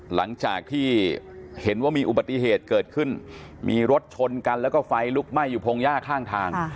หลังจากที่เห็นว่ามีอุบัติเหตุเกิดขึ้นมีรถชนกันแล้วก็ไฟลุกไหม้อยู่พงหญ้าข้างทาง